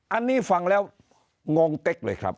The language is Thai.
อันนี้ฟังแล้วงงเต็กเลยครับ